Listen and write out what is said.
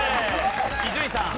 伊集院さん。